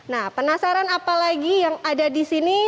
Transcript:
nah penasaran apa lagi yang ada di sini